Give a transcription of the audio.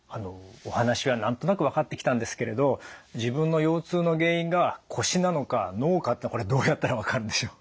お話は何となく分かってきたんですけれど自分の腰痛の原因が腰なのか脳かってのはこれどうやったら分かるんでしょう？